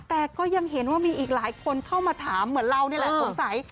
แต่ก็ยังเห็นว่ามีอีกหลายคนเข้ามาถามเหมือนเรานี่แหละสงสัย